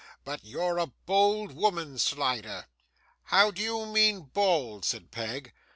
But you're a bold woman, Slider.' 'How do you mean, bold?' said Peg.